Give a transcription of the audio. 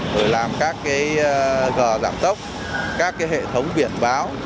rồi làm các gờ giảm tốc các hệ thống biển báo